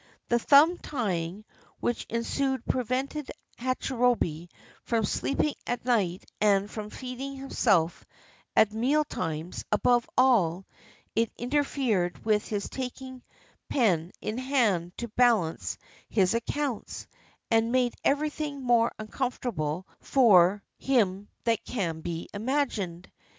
The thumb tying which ensued prevented Hachirobei from sleeping at night and from feeding himself at meal times; above all, it interfered with his taking pen in hand to balance his accounts, and made everything more uncomfortable for 375 JAPAN him than can be imagined.